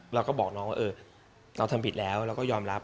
เราก็บอกน้องว่าเราทำผิดแล้วเราก็ยอมรับ